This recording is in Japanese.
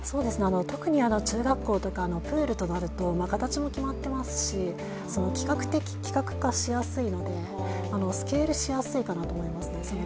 特に中学校とか、プールとなると、形も決まっていますし、企画化しやすいので、スケールしやすいかなと思いますね。